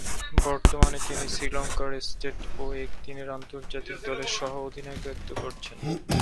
বর্তমানে তিনি শ্রীলঙ্কার টেস্ট ও একদিনের আন্তর্জাতিক দলে সহঃ অধিনায়কত্ব করছেন।